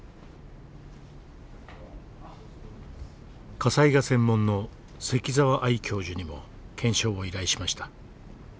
火災が専門の関澤愛教授にも検証を依頼しました。